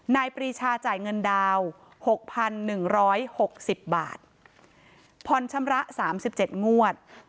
นายปรีชาจ่ายเงินดาวน์หกพันหนึ่งร้อยหกสิบบาทพรชมระสามสิบเจ็ดงวด